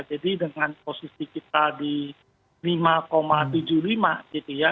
jadi dengan posisi kita di lima tujuh puluh lima gitu ya